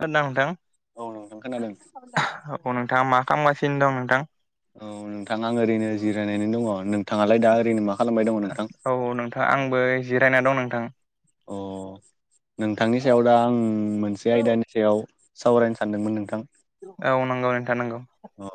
खोनादोंना नोंथां औ नोंथां खोनादों। औ नोंथांङा मा खालामगासिनो दं नोंथां। औ नोंथां आं ओरैनो जिरायनानै दंङ नोंथांङालाय दा ओरैनो मा खालामबाय दंङ नोंथां। औ औ नोंथां आंबो जिरायना दं नोंथां। अ नोंथांनि सायाव दा आं मोनसे आयदानि सायाव सावरायनो सानदोंमोन नोंथां। औ नंगौ नोंथां नांगौ अ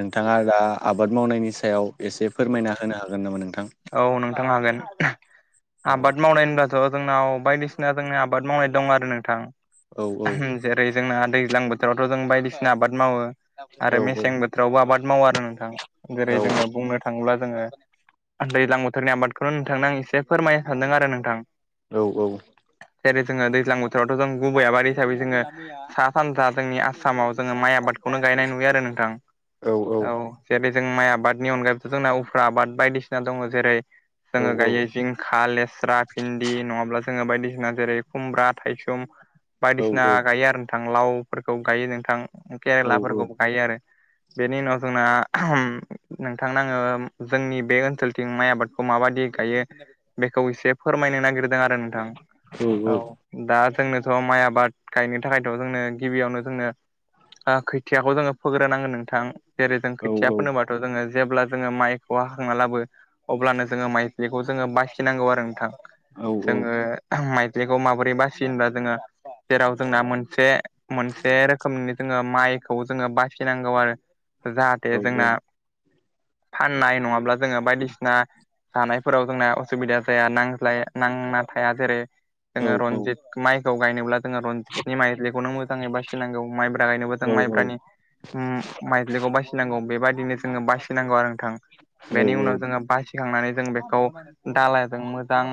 नोंथांङा दा आबाद मावनायनि सायाव एसे फोरमायना होनो हागोन नामा नोंथां। औ नोंथां हागोन। औ आबाद मावनाय होनब्लाथ' जोंनाव बायदिसिना जोंनि आबाद मावनाय दं आरो नोंथां औ औ जेरै जोंना दैज्लां बोथोरावथ' जों बायदिसिना आबाद मावो आरो औ मेसें बोथोर रावबो आबाद मावो आरो नोंथां औ जेरै जोंङो बुंनो थांङोब्ला जोंङो दैज्लां बोथोरनि आबादखौनो नोंथांनो आं एसे फोरमायनो सानदों आरो नोंथां। औ औ। जेरै जोंङो दैजां बोथोरावथ' जों गुबै आबाद हिसाबै जोंङो सा सानजा जोंनि आसामाव जोङो माइ आबादखौनो गायनाय नुयो आरो नोंथां औ जेरै जों माइ आबादनि अनगायैबोथ' जोंना उफ्रा आबाद बायदिसिना दङ जेरै औ जों गायो [unintelligible] जिंखा, लेस्रा, भिन्दि, नङाब्ला जोङो बायदिसिना जेरै खुमब्रा, थायसुम औ बायदिसिना गायो आरो नोंथां लावफोरखौ गायो नोंथां केरेलाफोरखौ गायो आरो बेनि उनाव जोंना नोंथां थांनाङो जोंनि बे ओनसोलथिं माइ आबादखौ माबायदि गायो बेखौ एसे फोरमायनो नागिरदों आरो नोंथां औ दा जोंनोथ' माइ आबाद गायनो थाखायथ' जोंनो गिबियावनो जोंनो खोथियाखौ जोङो फोग्रोनांगोन नोंथां जेरै जों खोथिया फोनोबाथ' जोङो जेब्ला जोङो माइखौ हाखांना लाबो अब्लानो जोङो माइ बेखौ जोङो बाखिनांगौ आरो नोंथां जोङो माइलिखौ माबोरै बासि होनबा जोङो जेराव जोंना मोनसे मोनसे रोखोमनि जोङो माइखौ जोङो बासिनांगौ आरो जाहाथे जोंना फाननाय नङाब्ला जोङो बायदिसिना जानायफोराव जोंना असुबिदा जाया नांज्लाया नांना थाया जेरै जोङो रनजित माइखौ गायनोब्ला जोङो रन्जित माइलिखौनो मोजाङै बासिनांगौ माइब्रा गायनोब्लाा जों माइब्रानि माइथ्लिखौ बासिनांगौ बेबायदिनो जोङो बासिनांगौ आरो नोंथां बेनि उनाव जोङो बासिखांनानै जों बेखौ दालााजों मोजां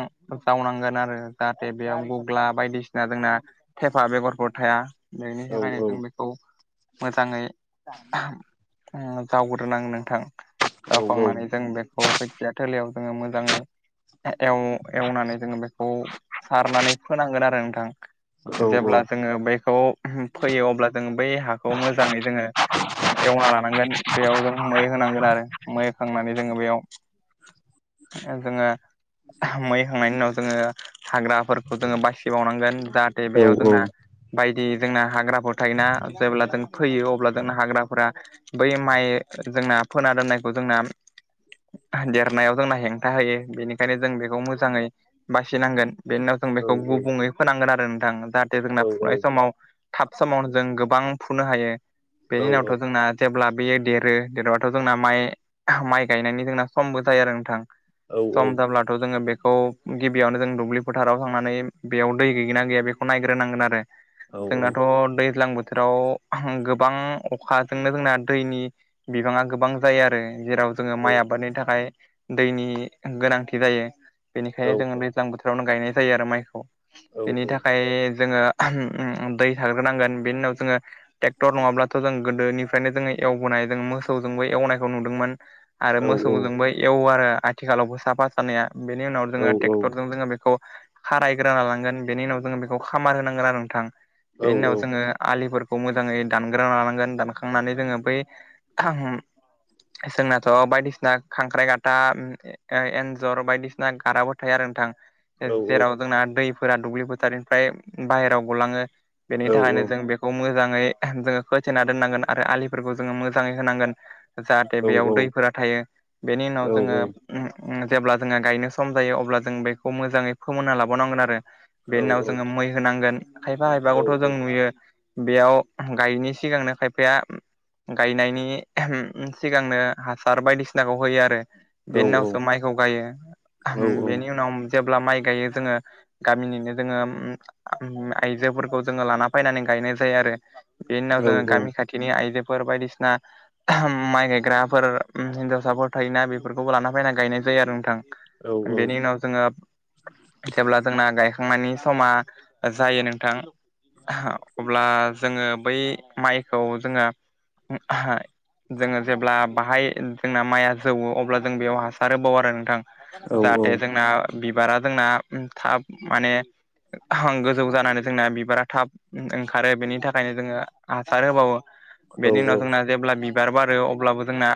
जावनांगोन आरो जाहाथे बेयाव गग्ला बायदिसिना जोंना थेफा बेगरफोर थाया बेनि थाखायनो जों बे मोजाङै जावग्रोनांगोन नोंथां जावखांनानै जों बेखौ खोथिया थिलियाव जोङो मोजाङै एवनानै जोङो बेखौ सारनानै फोनांगोन आरो नोंथां जेब्ला जोङो बेखौ फैयो अब्ला जों बै हाखौ मोजाङै जोङो एवना लानांगोन बेयाव जों मै होनांगोन आरो मै होखांनानै जोङो बेयाव जोङो मै होखांनायनि उनाव जोङो हाग्राफोरखौ जोङो बासिबावनांगोन जाहाथे औ बेयाव औ औ जोंना बायदि जोंना हाग्रा थायोना जेब्ला जों फोयो अब्ला जों हाग्राफोरा बै माइ जोंना फोना दोननायखौ जोंना देरनायाव जोंना हेंथा होयो बेनिखायनो जों बेखौ मोजाङै बासिनांगोन बेनि उनाव जों बेखौ औ गुबुङै फोनांगोन आरो नोंथां जाहाथे जोंना फुंनाय समाव थाब समावनो जों गोबां फुनो हायो बेनि उनावथ' जोंना जेब्ला बेयो देरो देरबाथ' जोंना माइ माइ गायनायनि जोंना समबो जायो आरो नोंथां सम जाब्लाथ' जोङो बेखौ गिबियावनो जों दुब्लि फोथाराव थांनानै बेयाव दै गैयोना गैया बेखौ नायग्रोनांगोन आरो जोंनाथ' दैज्लां बोथोराव गोबां अखाजोंनो जोंना दैनि बिबाङा गोबां जायो आरो जेराव जोङो माइ आबादनि थाखाय दैनि गोनांथि जायो बेनिखायनो जों दैज्लां बोथोर फ्रावनो गायनाय जायो आरो माइखौ बेनि थाखाय जोङो दै साग्रोनांगोन बेनि उनाव जोङो ट्रेक्टर नङाब्लाथ' जों गोदोनिफ्रायनो जोङो एवबोनाय जों मोसौजोंबो एवनायखौ नुदोंमोन आरो मोसौजोंबो एवो आरो आथिखालावबो साफा सानैया बेनि उनाव जोङो ट्रेक्टरजों जोङो बेखौ खारायग्रा लालांगोन बेनि उनाव जोङो बेखौ खामार होनांगोन आरो नोंथां बेनि उनाव औ जोङो आलिफोरखौ मोजाङै दानग्रा लानांगोन दानखांनानै जोङो बै जोंनाथ' बायदिसिना खांख्राइ गाथा एन्जर बायदिसिना गाराबो थायो आरो नोंथां जेराव जोंना दैफोरा दुब्लि फोथारनिफ्राय बाहेराव गलाङो बेनि थाखायनो जों बे मोजाङै जोङो खोथेना दोननांगोन आरो आलिफोरखौ जोङो मोजाङै होनांगोन जाहाथे बेयाव दैफोरा थायो बेनि उनाव जोङो जेब्ला जोङो गायनो सम जायो अब्ला जों बेखौ मोजाङै फोमोनना लाबावनांगोन आरो बेनि उनाव जोङो मै होनांगोन खायफा खायफाखौथ' जों नुयो बेयाव गायिनि सिगांनो खायफाया गायनायनि सिगांनो हासार बायदिसिनाखौ होयो आरो बेनि उनावसो माइखौ गायो बेनि उनाव जेब्ला माइ गायो जोङो गामिनिनो जोङो आयजोफोरखौ जोङो लाना फैनानै गायनाय जायो आरो बेनि उनाव जोङो गामि खाथिनि आइजोफोर बायदिसिना माइ गायग्राफोर हिन्जावसाफोर थायोना बेफोरखौबो लाना फैना गायनाय जायो आरो नोंथां बेनि उनाव जोङो जेब्ला जोंना गायखांनायनि समा जायो नोंथां अब्ला जोङो बै माइखौ जोङो जोङो जेब्ला बाहाय जोंना माइया जौवो अब्ला जों बेयाव हासार होबावो आरो नोंथां जाहाथे जोंना बिबारा जोंना थाब माने गोजौ जानानै जोंना बिबारा थाब ओंखारो बेनि थाखायनो जोङो हासार होबावो बेनि उनाव जोंना जेब्ला बिबार बारो अब्लाबो जोंना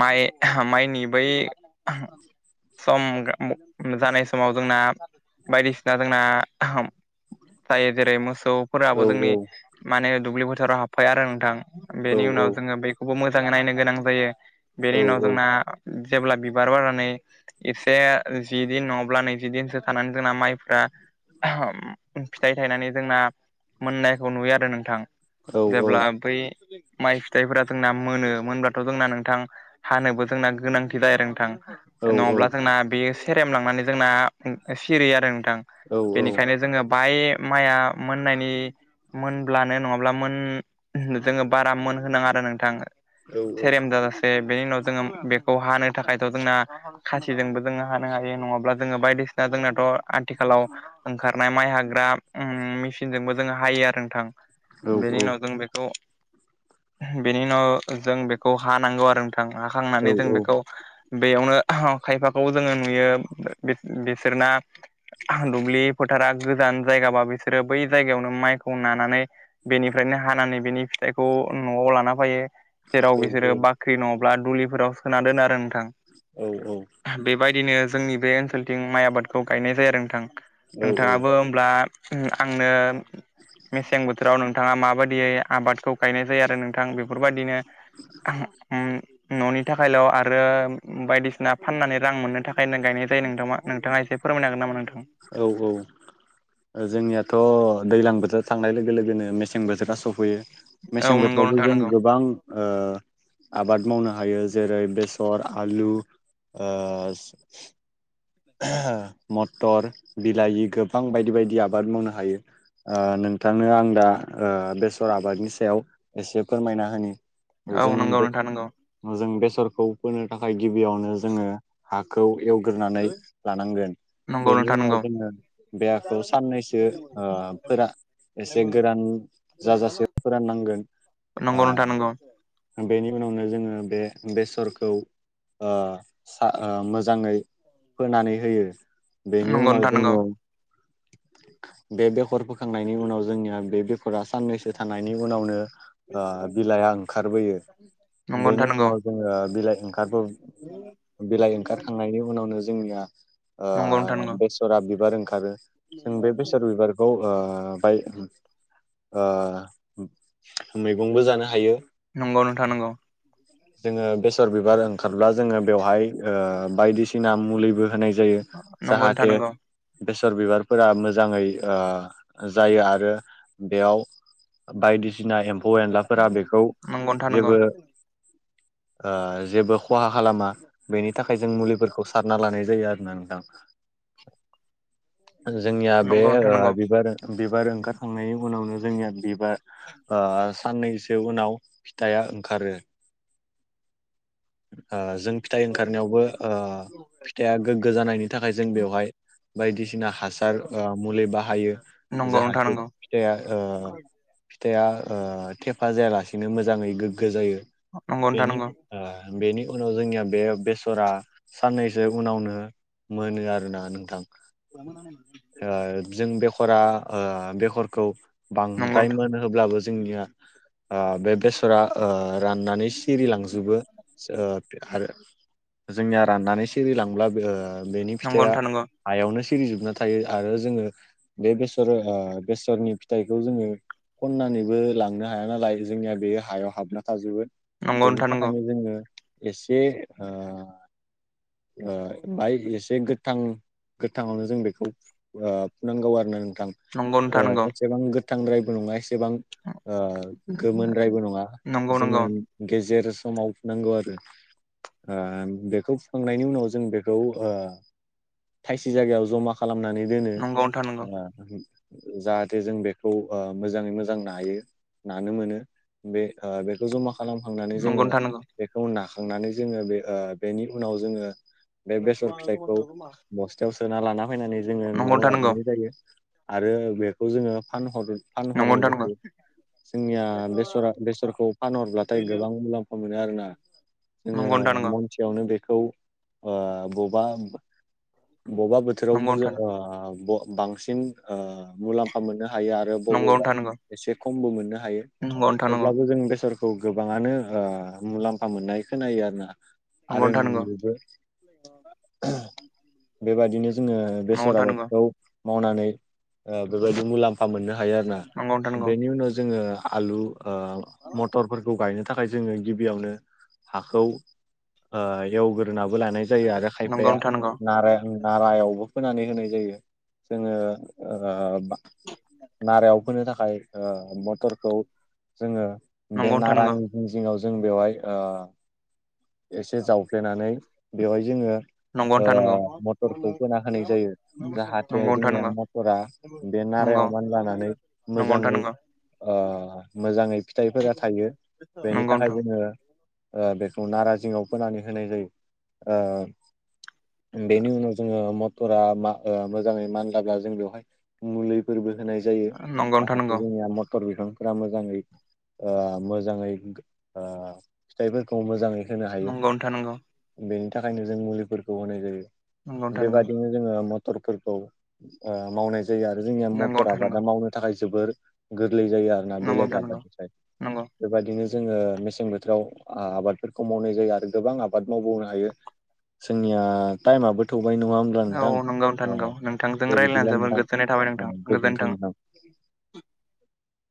माइ माइनि बै सम जानाय समाव जोंना बायदिसिना जोंना जायो जेरै मोसौफोराबो जोंनि माने दुब्लि फोथाराव हाबफाबाय आरो नोंथां बेनि उनाव जोङो बखौबो मोजाङै नायनो गोनां जायो बेनि उनाव जोंना जेब्ला बिबार बारनानै एसे जि दिन नङाब्ला नैजि दिनसो थानानै जोंना माइफ्रा फिथाइ थायनानै जोंना मोननायखौ नुयो आरो नोंथां जेब्ला बै माइ फिथाइफोरा जोंना मोनो मोनब्लाथ' जोंना नोंथां हानोबो जोंना गोनांथि जाया नोंथां नङाब्ला जोंना बे सेरेम लांनानै जोंना सिरियो आरो नोंथां बेनिखायनो जोङो बाय माइया मोननायनि मोनब्लानो नङाब्ला मोन जोङो बारा मोन होनाङा आरो नोंथां सेरेम जाजास से बेनि उनाव जोङो बेखौ हानो थाखायथ' जोंना खासिजोंबो जोङो हानो हायो नङाब्ला जोङो बायदिसिना जोंनाथ' आथिखालाव ओंखारनाय माइ हाग्रा मेसिनजोंबो जोङो हायो आरो नोंथां बेनि उनाव जों बेखौ बेनि उनाव जों बेखौ हानांगौ आरो नों थां हाखांनानै जों बेखौ बेयावनो खायफाखौ जोङो नुयो बि-बिसोरना दुब्लि फोथारा गोजान जायगाबा बिसोरो बै जायगायावनो माइखौ नानानै बेनिफ्रायनो हानानै बेनि फिथाइखौ न'आव लाना फैयो जेराव बिसोरो बा ख्रि नङाब्ला दुलिफोराव सोना दोनो आरो नोंथां औ औ बेबायदिनो जोंनि बे ओनसोलथिं माइ आबादखौ गायनाय जायो आरो नोंथां नोंथाङाबो होमब्ला आंनो मेसें बोथोराव नों थाङा माबायदियै आबादखौ गायनाय जायो आरो नोंथां बेफोरबायदिनो ओम न'नि थाखायल' आरो बायदिसिना फाननानै रां मोननो थाखायनो गायनाय जायो नोंथां नोंथाङा एसे फोरमायनो हागोन नामा नोंथां औ औ जोंनियाथ' दैजलां बोथोराव थांनाय लोगो लोगोनो मेसें बोथोरा सफैयो औ मेसें नंगौ बोथोरावबो नोंथां जों नंगौ गोबां ओ आबाद मावनो हायो जेरै बेसर आलु ओ मटर बिलाहि गोबां बायदि बायदि आबाद मावनो हायो ओ नोंथांनो आं दा बेसर आबादनि सायाव एसे फोरमायना होनि औ नंगौ जों जों बेसरखौ फोनो थाखाय गिबियावनो जोङो हाखौ एवग्रोनानै लानांगोन बेनि नोंथां उनाव नंगौ जोंङो बेेहाखौ साननैसो फोरा एसे गोरान जाजासे फोराननांगोन। ओ नंगौ नोंथा नंगौ। बेनि उनावनो जोंङो बे बेसरखौ ओ मोजांङै फोनानै होयो। बेनि नंगौ उनाव नोंथां नंगौ जोंङो बे बेखर फोखांनायनि उनाव जोंनिया बे फोरा साननैसो थानायनि उनावनो ओ बिलाइ आं बोयो बेनि उनाव जोङो बिलाइ ओंखारबो बिलाइ ओंखारखां नायनि उनावनो जोंनिया नंगौ नोंथां ओ नंगौ बेसरा बिबार ओंखारो जों बे बेसर बिबार खौ ओ बाय ओ मैगंबो जानो हायो नंगौ नोंथां नंगौ जोंङो बेसर बिबार ओंखारब्ला जोंङो बेवहाय बायदिसिना मुलिबो होनाय जायो। नंगौ नोंथां जाहाथे नंगौ बेसर बिबारफोरा मोजांङै जायो आरो बेयाव बायदिसिना एम्फौ एनलाफोरा बेखौ जेबो ओ जेबो खहा खालामा बेनि थाखाय जों मुलिफोरखौ सारना लानाय जायो आरोना नोंथां जोंनिया बे नंगौ नोंथां ओ नंगौ बिबार बिबार ओंखारखांनायनि उनावनो जोंनिया बिबार ओ साननैसो उनाव फिथाइआ ओंखारो ओ जों फिथाइ ओंखारनायावबो ओ फिथाइया गोग्गो जानायनि थाखाय जों बेवहाय बायदिसिना हासार ओ मुलि बाहायो नंगौ नोंथां नंगौ नोंथां नंगौ नोंथां जाहाथे नंगौ फिथया ओ फिथाइआ ओ थेफा जायालासिनो मोजांङै गोग्गो जायो नंगौ बेनि ओ बेनि उनाव जोंनिया बे बेसरा साननैसो उनावनो मोनो आरोना नोंथां। [unintelligible] ओ जों बेखरा ओ बेखरखौ बांद्राय नोंथां मोनो होबब्लाबो जोंनिया ओ बे बेसरा ओ राननानै सिरिलांजोबो ओ आरो जोंनिया राननानै सिरिलांब्ला बेनि फिथाइया हायावनो सिरिजोबना थायो आरो जोंङो बे बेसर बेसरनि फिथाइखौ जोंङो खननानैबो लांनो हाया नालाय जोंनिया बेयो हायाव हाबना थाजोबो बेनि नंगौ थाखायनो जोंङो एसे ओ ओ बात एसे गोथां गोथाङावनो जों बेखौ ओ नांगौ आरोना नोथां नंगौ नोंथां ओ नंगौ एसेबां गोथांद्रायबो नङा एसेबां गोमोनद्रायबो नङा नंगौ नोंथां नंगौ नोंथां जोंङो गेजेर समाव नांगौ आरो ओम बेखौ फुखांनायनि उनाव जों बेखौ ओ थायसे जायगायाव जमा खालामनानै दोनो नंगौ नंगौ नोंथां नंगौ ओ जाहाथे जों बेखौ ओ मोजांङै मोजां नायो नानो मोनो। बे ओ बेखौ जमा खालामखांनानै नंगौ जोंङो नोंथां नंगौ नोंथां नंगौ नोंथां नंगौ नंगौ नोंथां नंगौ बेखौ नाखांनानै जोंङो बे ओ बेनि उनाव जोंङो बे बेसर फिथाइखौ बस्थायाव सोना लाना फैनानै जोंङो न'आव लाबोनाय जायो। आरो बेखौ जोंङो फान नंगौ फानहरनोबो नोंथां नंगौ हायो। जोंनिया बेसरा बेसरखौ फानहरब्लाथाय गोबां मुलाम्फा मोनो आरोना नंगौ नोंथां जोंङो सेयावनो बेखौ ओ बबा बबा बोथोराव नंगौ नंगौ बु ओ बांसिन ओ मुलाम्फा मोननो हायो आरो बबावबा नोंथां नंगौ एसे खमबो मोननो हायो। नोंथां नंगौ थेवब्लाबो जों बेसरखौ गोबाङानो ओ मुलाम्फा मोननाय खोनायो आरो ना। नंगौ आरो नुुयोबो बेबायदिनो जोंङो बेसर नोंथां आबादखौ नंगौ मावनानै बेबायदि मुलाम्फा मोननो हा थायो आरोना नंगौ बेनि उनाव जोङो आलु मथरफोरखौ गायनो थाखाय जोङो गिबियावनो हाखौ ओ एवग्रोनाबो लानाय जायो आरो खायफाया नोंथां नंगौ नारा नारायावबो फोनानै होनाय जायो जोङो ओ नारायाव फोनो थाखाय ओ मथरखौ जोंङो बे नंगौ नारानि जिं जिङाव जों बेवहाय ओ एसे जावफ्लेनानै बेवहाय जोंङो ओ नोंथां नंगौ नंगौ मथरखौ बोना होनाय जायो। जाहाथे नोंथां जोंनिया नंगौ मटरा बे नंगौ नारायाव मान लानानै नोंथां मोजाङै नंगौ ओ मोजाङै फिथाइफोरा थायो बेनि नंगौ थाखाय जोङो ओ बेखौ नारा जिङाव फोनानै होनाय जायो ओ बेनि उनाव जोङो मटरा मा ओ मोजाङै मानलाबा जों बेवहाय मुलिफोरबो होनाय जायो नोंथां नंगौ नोंथां नंगौ नोंथां नंगौ नोंथां नंगौ नोंथां नंगौ नोंथां नंगौ नोंथां नंगौ नोंथां नंगौ नोंथां नंगौ नंगौ जाहाथे जोंनिया मटर बिफांफोरा मोज मोजाङै ओ मोजाङै ओ फिथाइफोरखौ मोजाङै होनो हायो बेनि थाखायनो जों मुलिफोरखौ होनाय जायो। बेबादिनो जोङो मटरफोरखौ ओ मावनाय जाय जायो आरो जोंनिया मथर आबादा मावनो थाखाय जोबोर गोरलै जायो आरोना बेलेग नोंथां नंगौ आफादनिफ्राय नंगौ बेबायदिनो जोङो मेसें बोथोराव आबादफोरखौ मावनाय जायो आरो गोबां आबाद मावबावनो हायो। जोंनिया टाइमाबो थौबाय नङा होम औ नोंथां नंगौ नोंथां औ नंगौ नोंथांजों दे रायज्लायना बिदिब्ला जोबोर नोंथां गोजोननाय थाबाय नोंथां औ गोजोन्थों नोंथां।